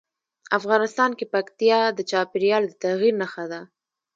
افغانستان کې پکتیا د چاپېریال د تغیر نښه ده.